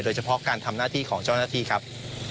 โดยเฉพาะการทำหน้าที่ของเจ้าหน้าที่ครับ